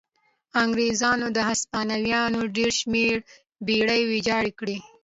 انګرېزانو د هسپانویانو ډېر شمېر بېړۍ ویجاړې کړې.